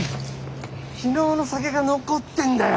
昨日の酒が残ってんだよ。